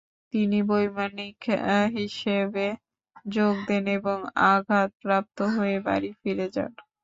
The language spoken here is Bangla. তিনি বৈমানিক হিসেবে যোগ দেন এবং আঘাতপ্রাপ্ত হয়ে বাড়ি ফিরে যান।